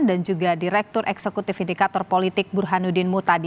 juga direktur eksekutif indikator politik burhanuddin mutadi